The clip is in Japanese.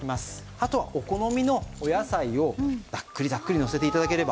あとはお好みのお野菜をざっくりざっくりのせて頂ければ。